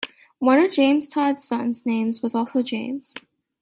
One of James Todd's sons name was also James.